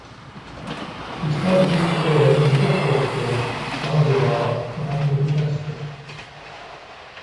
He started his career in the Football School Zaldívar of Antofagasta.